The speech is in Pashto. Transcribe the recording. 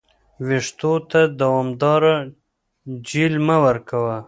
ویښتو ته دوامداره جیل مه ورکوه.